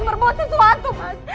berbuat sesuatu pak